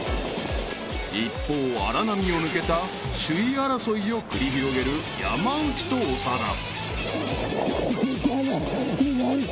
［一方荒波を抜けた首位争いを繰り広げる山内と長田］